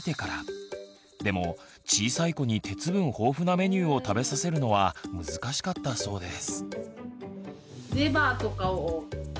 でも小さい子に鉄分豊富なメニューを食べさせるのは難しかったそうです。